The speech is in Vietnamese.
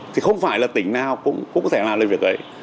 thì không phải là tỉnh nào cũng có thể làm được việc ấy